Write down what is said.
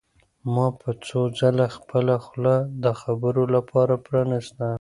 ما به څو ځله خپله خوله د خبرو لپاره پرانیسته.